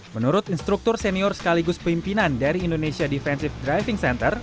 menurut instruktur senior sekaligus pimpinan dari indonesia defensive driving center